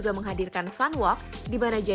dan di mana komitee dan komitee yang berkumpul di dalamnya